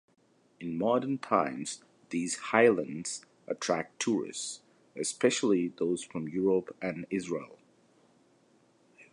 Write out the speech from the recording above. In modern times, these highlands attract tourists, especially those from Europe and Israel.